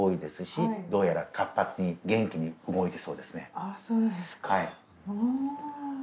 ああ、そうですか。